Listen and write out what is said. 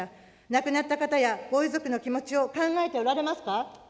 亡くなった方やご遺族の気持ちを考えておられますか。